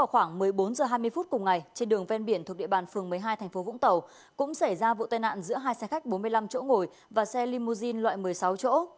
hôm ngày trên đường ven biển thuộc địa bàn phường một mươi hai tp vũng tàu cũng xảy ra vụ tai nạn giữa hai xe khách bốn mươi năm chỗ ngồi và xe limousine loại một mươi sáu chỗ